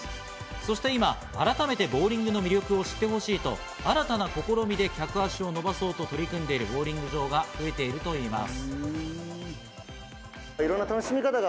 そして今、改めてボウリングの魅力を知ってほしいと新たな試みで客足を伸ばそうと取り組んでいるボウリング場が増えているといいます。